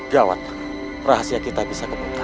jawat rahasia kita bisa kebuka